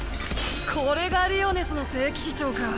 これがリオネスの聖騎士長か。